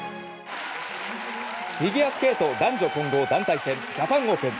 フィギュアスケート男女混合団体戦ジャパンオープン。